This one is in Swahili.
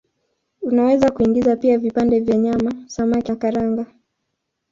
Unaweza kuingiza pia vipande vya nyama, samaki na karanga.